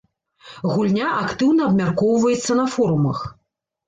Гульня актыўна абмяркоўваецца на форумах.